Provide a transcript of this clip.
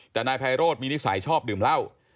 แต่นายไพโรธมีนิสัยชอบดื่มเหล้า